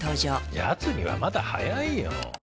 やつにはまだ早いよ。